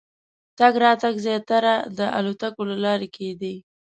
تګ راتګ زیاتره د الوتکو له لارې کېدی.